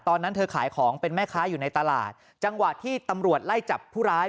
ตอนนั้นเธอขายของเป็นแม่ค้าอยู่ในตลาดจังหวะที่ตำรวจไล่จับผู้ร้าย